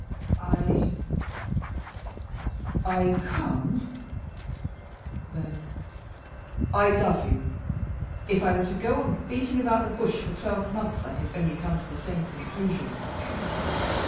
"I I Come, then; I love you! If I were to go on beating about the bush for twelve months I could only come to the same conclusion."